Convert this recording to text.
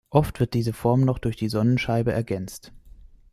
Oft wird diese Form noch durch die Sonnenscheibe ergänzt.